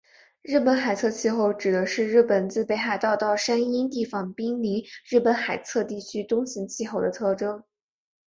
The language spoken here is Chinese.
日本海侧气候指的是日本自北海道到山阴地方滨临日本海侧地区的冬型气候的特征。